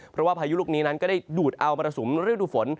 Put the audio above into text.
เพราะว่าพายุลูกนี้นั้นก็ได้ดูดเอามรสุมฤดูฝน